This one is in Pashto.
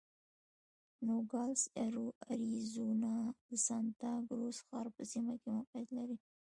نوګالس اریزونا د سانتا کروز ښار په سیمه کې موقعیت لري.